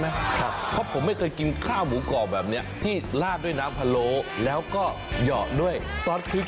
เพราะผมไม่เคยกินข้าวหมูกรอบแบบนี้ที่ลาดด้วยน้ำพะโล้แล้วก็เหยาะด้วยซอสพริก